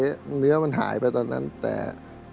อยู่บนแฮงก์นี้เฉยเนื้อมันหายไปตอนนั้นแต่